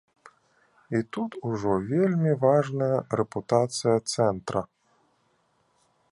І тут ужо вельмі важная рэпутацыя цэнтра.